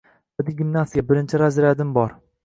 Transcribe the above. — Badiiy gimnastika. Birinchi razryadim bor!